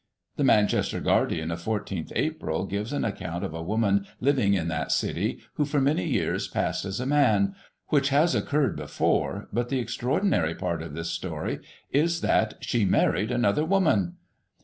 The Manchester Guardian of 14th April gives an account of a woman living in that city, who for many years passed as a man, which has occurred before, but the extraordinary part of this story is that she married another woman.